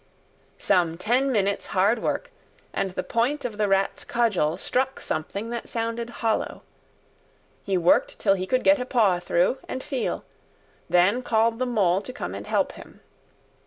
Some ten minutes' hard work, and the point of the Rat's cudgel struck something that sounded hollow. He worked till he could get a paw through and feel; then called the Mole to come and help him.